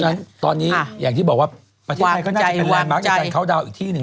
ไม่รู้กล่องใส่รายใช่ไหมต้องให้หมามาดมก่อนอืมจะเป็นมากจาวอีกที่หนึ่ง